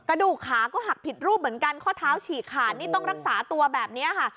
กระดูกขาก็หักผิดรูปเหมือนกันข้อเท้าฉีกขาดนี่ต้องรักษาตัวแบบนี้ค่ะ